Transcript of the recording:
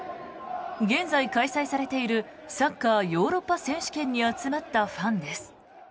現在、開催されているサッカーヨーロッパ選手権に集まったファンです。